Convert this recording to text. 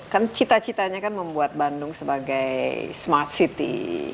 kan cita citanya kan membuat bandung sebagai smart city